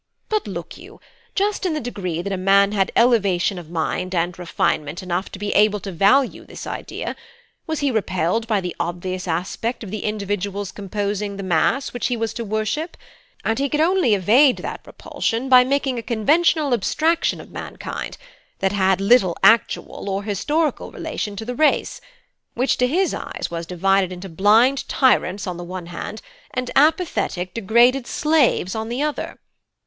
But look you, just in the degree that a man had elevation of mind and refinement enough to be able to value this idea, was he repelled by the obvious aspect of the individuals composing the mass which he was to worship; and he could only evade that repulsion by making a conventional abstraction of mankind that had little actual or historical relation to the race; which to his eyes was divided into blind tyrants on the one hand and apathetic degraded slaves on the other.